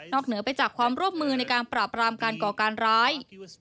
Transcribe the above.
เหนือไปจากความร่วมมือในการปราบรามการก่อการร้าย